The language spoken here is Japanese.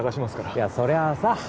いやそりゃあさ